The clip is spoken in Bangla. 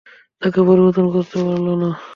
তাঁকে পরিবর্তন করতে পারল না।